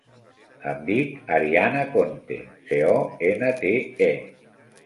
Em dic Ariana Conte: ce, o, ena, te, e.